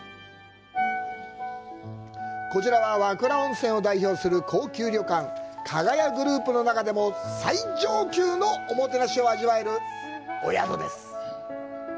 こちらは和倉温泉を代表する高級旅館加賀屋グループの中でも最上級のおもてなしを味わえるお宿です。